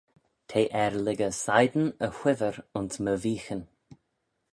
T'eh er lhiggey sideyn e whiver ayns my veeghyn.